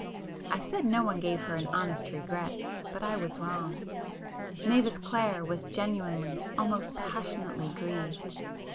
I said no one gave her an honest regret, but I was wrong. Mavis Clare was genuinely, almost passionately grieved.